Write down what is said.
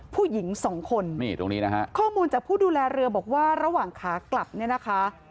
ผู้หญิงสองคนนี่ตรงนี้นะฮะข้อมูลจากผู้ดูแลเรือบอกว่าระหว่างขากลับเนี่ยนะคะ